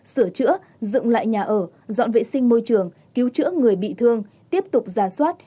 sửa chữa dựng lại nhà ở dọn vệ sinh môi trường cứu chữa người bị thương tiếp tục giả soát